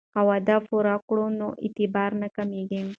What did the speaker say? که وعده پوره کړو نو اعتبار نه کمیږي.